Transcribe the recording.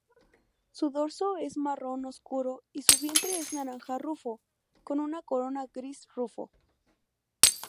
Su dorso es marrón oscuro y su vientre es naranja-rufo, con una corona gris-rufo.